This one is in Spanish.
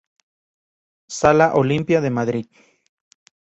Sala Olimpia de Madrid.